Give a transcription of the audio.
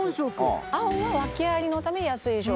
青は訳ありのため安い商品。